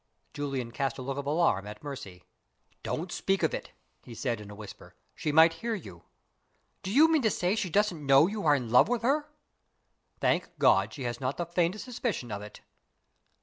Julian cast a look of alarm at Mercy. "Don't speak of it!" he said, in a whisper. "She might hear you." "Do you mean to say she doesn't know you are in love with her?" "Thank God, she has not the faintest suspicion of it!"